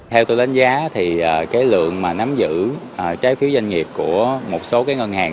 theo tôi đánh giá thì cái lượng mà nắm giữ trái phiếu doanh nghiệp của một số ngân hàng